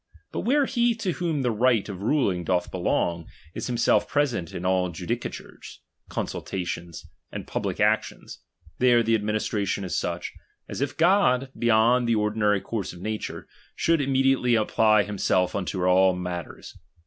But where he to whom the right of ruling doth belong, is himself present in all judicatures, consultations, and public actions, there the administration is such, as if God, beyond the ordinary course of nature, should im mediately apply himself unto all matters.